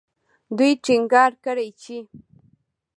دوی ټینګار کړی چې